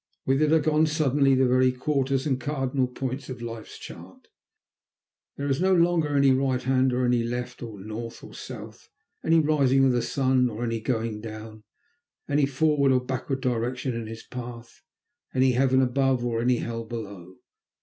With it are gone suddenly the very quarters and cardinal points of life's chart, there is no longer any right hand or any left, any north or south, any rising of the sun or any going down, any forward or backward direction in his path, any heaven above, or any hell below.